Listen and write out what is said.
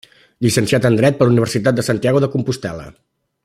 Llicenciat en dret per la Universitat de Santiago de Compostel·la.